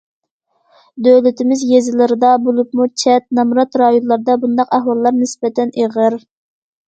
دۆلىتىمىز يېزىلىرىدا، بولۇپمۇ چەت، نامرات رايونلاردا بۇنداق ئەھۋاللار نىسبەتەن ئېغىر.